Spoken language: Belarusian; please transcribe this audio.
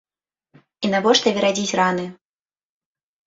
І навошта верадзіць раны?